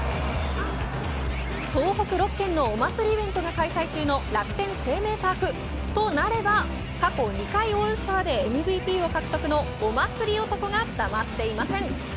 東北６県のお祭りイベントが開催中の楽天生命パークとなれば過去２回オールスターでＭＶＰを獲得のお祭り男が黙っていません。